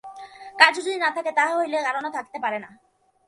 কার্য যদি না থাকে, তাহা হইলে কারণও থাকিতে পারে না।